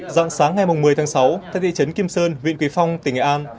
dạng sáng ngày một mươi tháng sáu tại thị trấn kim sơn huyện quỳ phong tỉnh nghệ an